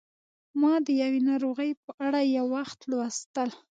ما د یوې ناروغۍ په اړه یو وخت لوستل